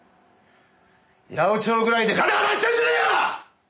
八百長ぐらいでガタガタ言ってんじゃねえよ！